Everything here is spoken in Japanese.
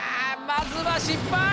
まずは失敗。